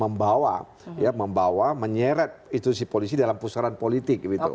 membawa ya membawa menyeret itu si polisi dalam pusaran politik gitu kan